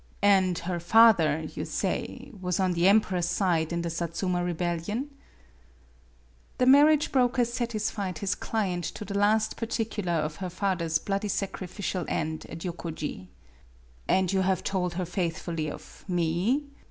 "And her father, you say, was on the emperor's side in the Satsuma rebellion ?" The marriage broker satisfied his client to the last particular of her father's bloody sacrificial end at Jokoji. "And you have told her faithfully of me